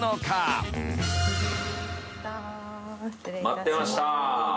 待ってました。